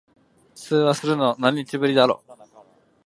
通話するの、何日ぶりだろ。